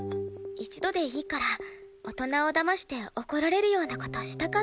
一度でいいから大人をだまして怒られるような事したかったんだ。